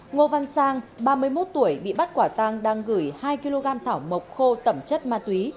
ngô văn sang ba mươi một tuổi bị bắt quả tang đang gửi hai kg thảo mộc khô tẩm chất ma túy